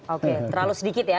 oke terlalu sedikit ya